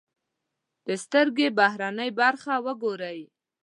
د سترکې بهرنۍ برخه و ګورئ.